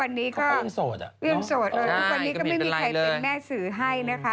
วันนี้ก็ไม่มีใครเป็นแม่สื่อให้